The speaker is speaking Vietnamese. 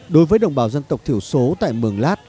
đối với đồng bào dân tộc thiểu số tại mường lát